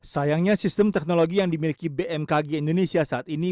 sayangnya sistem teknologi yang dimiliki bmkg indonesia saat ini